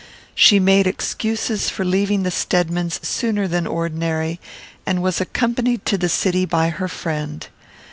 She made excuses for leaving the Stedmans sooner than ordinary, and was accompanied to the city by her friend.